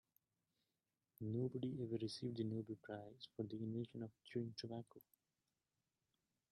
Nobody ever received the Nobel prize for the invention of chewing tobacco.